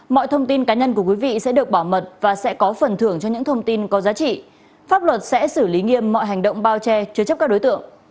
mọi thông tin cá nhân của quý vị sẽ được bảo mật và sẽ có phần thưởng cho những thông tin có giá trị pháp luật sẽ xử lý nghiêm mọi hành động bao che chứa chấp các đối tượng